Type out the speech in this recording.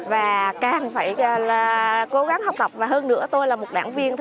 và càng phải cố gắng học tập và hơn nữa tôi là một đảng viên